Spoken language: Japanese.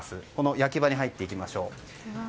焼き場に入っていきましょう。